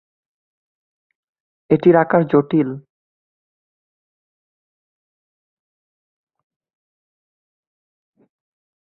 এটির আকার জটিল।